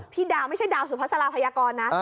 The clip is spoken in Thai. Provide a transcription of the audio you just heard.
พี่ดาวไม่ใช่ดาวสุภาษาลาพยากรนะ